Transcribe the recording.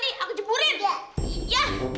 nah kita mulakan ini